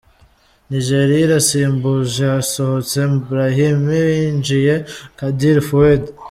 Nigeria irasimbuje hasohotse Brahimi hinjiye Kadir Foued.